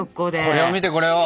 これを見てこれを。